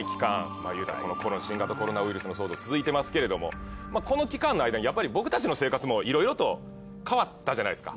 まぁ言うたらこの新型コロナウイルスの騒動続いてますけれどもこの期間の間にやっぱり僕たちの生活もいろいろと変わったじゃないですか。